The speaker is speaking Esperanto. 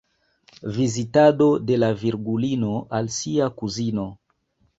Vizitado de la Virgulino al sia kuzino.